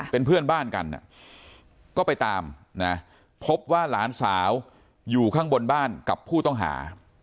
เป็นเพื่อนบ้านกันก็ไปตามนะพบว่าหลานสาวอยู่ข้างบนบ้านกับผู้ต้องหา